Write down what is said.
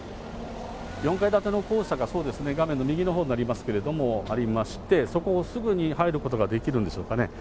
４階建ての校舎、そうですね、画面の右のほうになりますけれども、ありまして、そこをすぐに入ることができるんでしょうかね。